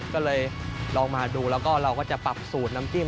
ก็เลยลองมาดูแล้วก็เราก็จะปรับสูตรน้ำจิ้ม